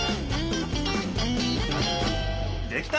できた！